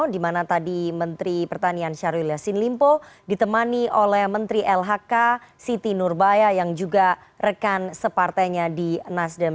di mana tadi menteri pertanian syahrul yassin limpo ditemani oleh menteri lhk siti nurbaya yang juga rekan separtainya di nasdem